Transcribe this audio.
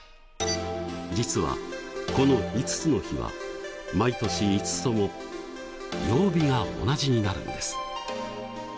実はこの５つの日は毎年５つとも曜日が同じになるんです。